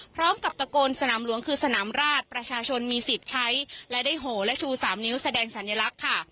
ตะโกนสนามหลวงคือสนามราชประชาชนมีสิทธิ์ใช้และได้โหและชู๓นิ้วแสดงสัญลักษณ์ค่ะ